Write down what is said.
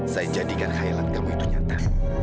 saya jadikan highland kamu itu nyata